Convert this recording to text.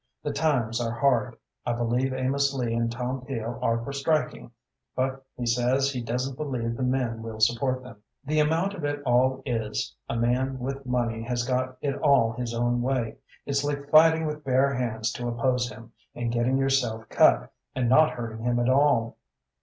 The times are hard. I believe Amos Lee and Tom Peel are for striking, but he says he doesn't believe the men will support them. The amount of it all is, a man with money has got it all his own way. It's like fighting with bare hands to oppose him, and getting yourself cut, and not hurting him at all.